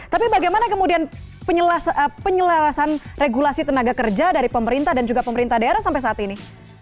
tapi bagaimana kemudian penyelewasan regulasi tenaga kerja dari pemerintah dan juga pemerintah daerah sampai saat ini